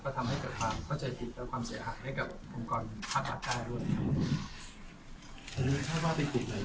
ก็ทำให้กับความเข้าใจผิดและความเสียหักให้กับองค์กรภาพปลาใต้ด้วยนะครับ